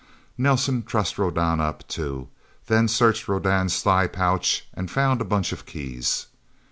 Nelsen trussed Rodan up, too, then searched Rodan's thigh pouch and found a bunch of keys.